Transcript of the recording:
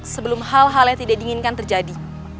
sebelum hal hal yang tidak diinginkan terjadi